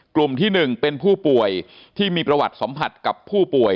กลุ่มที่๑เป็นผู้ป่วยที่มีประวัติสัมผัสกับผู้ป่วย